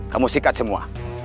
kamu sikat semua